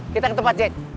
kita ke tempat jack